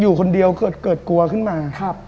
อยู่คนเดียวเกิดกลัวขึ้นมา